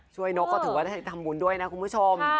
ช่วยโน๊กก็ถึงว่าจะใถ่ทำหมุนด้วยนะคุณผู้ชม